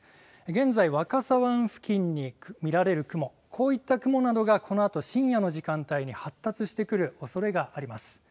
現在、若狭湾付近に見られる雲、こういった雲などがこのあと深夜の時間帯に発達してくるおそれがあります。